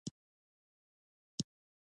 د نوې ډبرې انقلاب تر عصر پورې.